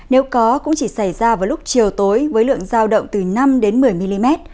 nếu có cũng chỉ xảy ra vào lúc chiều tối với lượng giao động từ năm đến một mươi mm